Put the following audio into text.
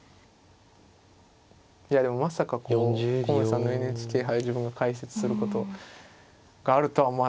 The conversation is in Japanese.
いやでもまさか古森さんのＮＨＫ杯を自分が解説することがあるとは思わなかったですね。